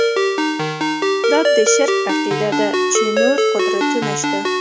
دا د شرک عقیده ده چې نور قدرتونه شته.